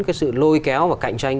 cái sự lôi kéo và cạnh tranh